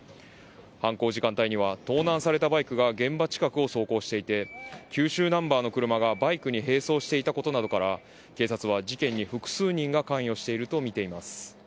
犯行時間帯には、盗難されたバイクが現場近くを走行していて、九州ナンバーの車がバイクに並走していたことなどから、警察は事件に複数人が関与していると見ています。